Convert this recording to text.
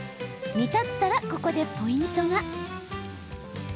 煮立ったら、ここでポイントが。